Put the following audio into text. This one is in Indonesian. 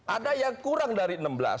ada yang kurang dari enam belas